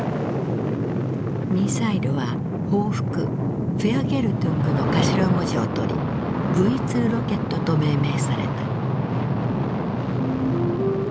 ミサイルは「報復」「Ｖｅｒｇｅｌｔｕｎｇ」の頭文字を取りＶ２ロケットと命名された。